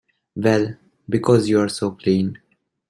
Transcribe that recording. Well, because you're so clean.